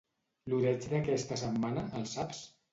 L'oreig d'aquesta setmana, el saps?